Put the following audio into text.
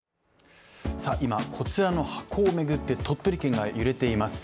今、こちらの箱を巡って鳥取県が揺れています。